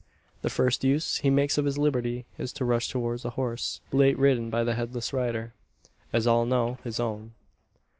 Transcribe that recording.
The first use he makes of his liberty is to rush towards the horse late ridden by the headless rider as all know his own.